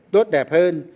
tốt đẹp hơn